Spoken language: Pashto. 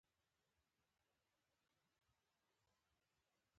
که ته هم غواړې کولی شې په ښار کې چکر ووهې.